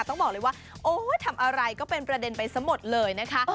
ต้องบอกเลยว่าโอ้ยทำอะไรก็เป็นประเด็นไปซะหมดเลยนะคะ